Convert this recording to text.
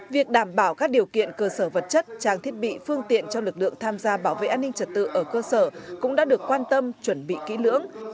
việc đảm bảo các điều kiện cơ sở vật chất trang thiết bị phương tiện cho lực lượng tham gia bảo vệ an ninh trật tự ở cơ sở cũng đã được quan tâm chuẩn bị kỹ lưỡng